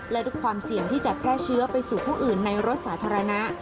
และด้วยความเสี่ยงที่จะแพร่เชื้อไปสู่ผู้อื่นในรถสาธารณะ